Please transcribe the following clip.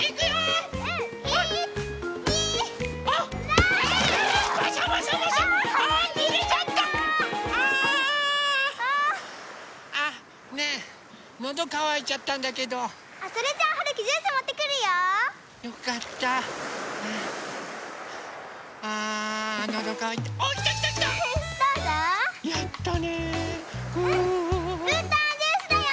うーたんジュースだよ！